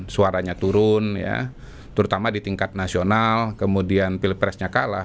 suaranya turun ya terutama di tingkat nasional kemudian pilpresnya kalah